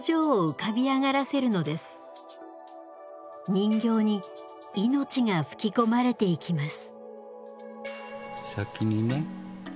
人形に命が吹き込まれていきます。